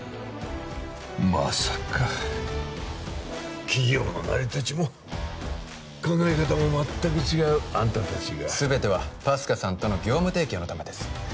まさか企業の成り立ちも考え方も全く違うあんた達が全てはＰＡＳＣＡさんとの業務提携のためです